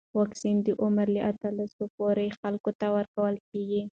واکسن د عمر له اتلسو پورته خلکو ته ورکول کېږي.